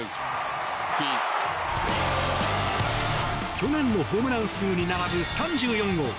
去年のホームラン数に並ぶ３４号。